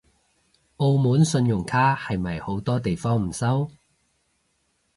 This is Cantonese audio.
澳門信用卡係咪好多地方唔收？